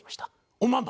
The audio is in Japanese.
おまんま！